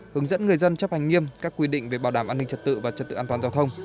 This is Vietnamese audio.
hướng dẫn người dân chấp hành nghiêm các quy định về bảo đảm an ninh trật tự và trật tự an toàn giao thông